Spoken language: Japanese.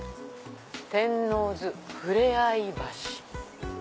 「天王洲ふれあい橋」。